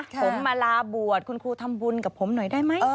ผมมาลาบวชคุณครูทำบุญกับผมหน่อยได้ไหม